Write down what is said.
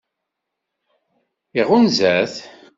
Iɣunza-t?